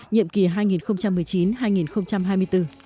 nhiệm kỳ hai nghìn một mươi chín hai nghìn hai mươi bốn